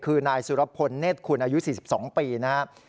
คือนายสุรพนธ์เนธคุณอายุสี่สิบสองปีนะฮะ